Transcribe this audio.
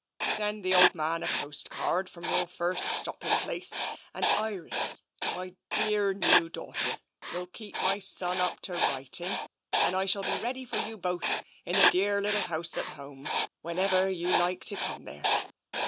Send the old man a postcard from your first stopping place, and, Iris, my dearr new daughter, you'll keep my son up to writing, and I shall be ready for you both in the TENSION 221 dearr little house at home, whenever you like to come there.